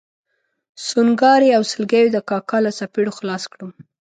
سونګاري او سلګیو د کاکا له څپېړو خلاص کړم.